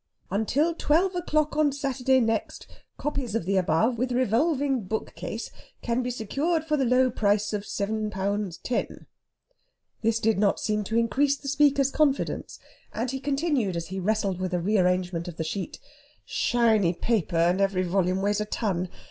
'Until twelve o'clock on Saturday next copies of the above, with revolving bookcase, can be secured for the low price of seven pounds ten.'..." This did not seem to increase the speaker's confidence and he continued, as he wrestled with a rearrangement of the sheet: "Shiny paper, and every volume weighs a ton.